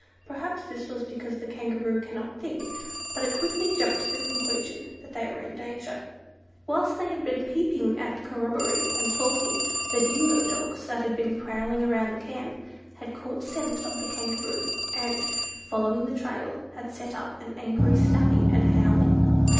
Perhaps this was because the Kangaroo cannot think, but it quickly jumped to the conclusion that they were in danger. Whilst they had been peeping at the corroborees, and talking, the dingo dogs that had been prowling around the camp, had caught scent of the Kangaroo; and, following the trail, had set up an angry snapping and howling.